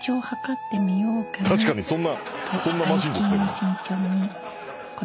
確かにそんなそんなマシンですね。